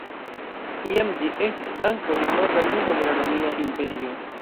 Iam ĝi estis ankaŭ la norda limo de la Romia Imperio.